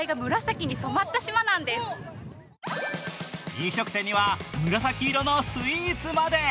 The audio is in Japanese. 飲食店には紫色のスイーツまで。